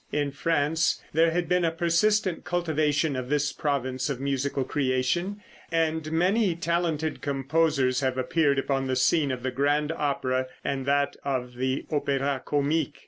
In France there had been a persistent cultivation of this province of musical creation, and many talented composers have appeared upon the scene of the Grand Opera and that of the Opéra Comique.